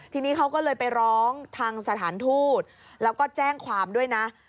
ทีนี้เขาก็เลยไปร้องทางสถานทูตแล้วก็แจ้งความด้วยนะ